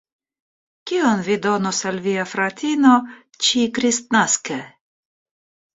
Kion vi donos al via fratino ĉi-kristnaske?